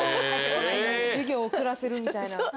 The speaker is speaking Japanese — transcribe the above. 授業を遅らせるみたいな。